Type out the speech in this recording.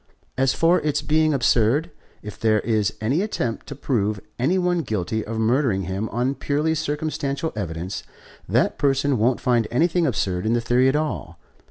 "As for its being absurd, if there is any attempt to prove any one guilty of murdering him on purely circumstantial evidence, that person won't find anything absurd in the theory at all.